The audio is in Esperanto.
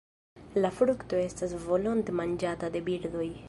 La frukto estas volonte manĝata de birdoj.